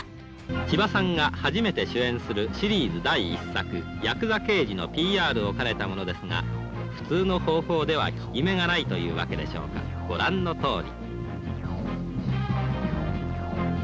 千葉さんが初めて主演するシリーズ第１作、やくざ刑事のＰＲを兼ねたものですが、普通の方法では効き目がないというわけでしょうか、ご覧のとおり。